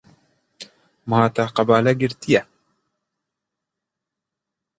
Ma te qebale girtiye.